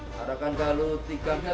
oke arahkan ke halus tiga puluh lima